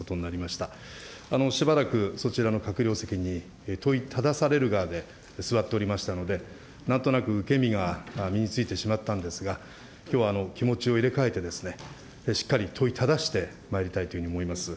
しばらくそちらの閣僚席に、問いただされる側で座っておりましたので、なんとなく受け身が身についてしまったんですが、きょうは気持ちを入れ替えて、しっかり問いただしてまいりたいというふうに思います。